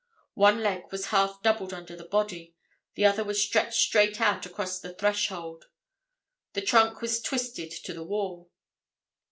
One leg was half doubled under the body; the other was stretched straight out across the threshold; the trunk was twisted to the wall.